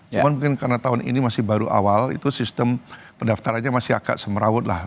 cuma mungkin karena tahun ini masih baru awal itu sistem pendaftarannya masih agak semerawut lah